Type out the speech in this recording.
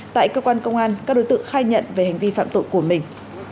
tại cơ quan công an các đối tượng khai nhận về hành vi phạm tội của mình